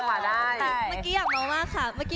แต่เมื่อกี้อยากเมามากค่ะ